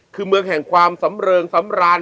คือเมืองแห่งความสำเริงสำราญ